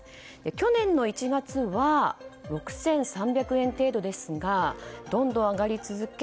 去年の１月は６３００円程度ですがどんどん上がり続け